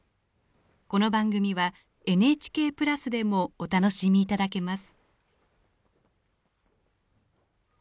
この番組はＮＨＫプラスでもお楽しみいただけます。